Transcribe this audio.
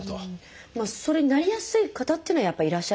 それになりやすい方っていうのはやっぱりいらっしゃるんですか？